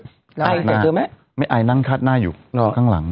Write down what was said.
ไอแต่เจอไหมไม่ไอนั่งคาดหน้าอยู่ข้างหลัง